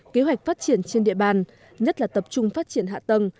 kế hoạch phát triển trên địa bàn nhất là tập trung phát triển hạ tầng